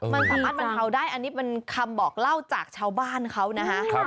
มันสามารถบรรเทาได้อันนี้เป็นคำบอกเล่าจากชาวบ้านเขานะฮะ